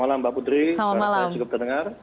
waalaikumsalam warahmatullahi wabarakatuh